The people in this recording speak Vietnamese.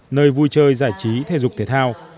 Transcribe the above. nơi vui chơi giải trí thể dục thể thao